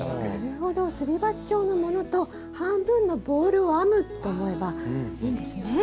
なるほどすり鉢状のものと半分のボールを編むと思えばいいんですね。